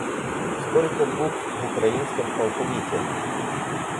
Сколько букв в украинском алфавите?